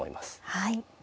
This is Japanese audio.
はい。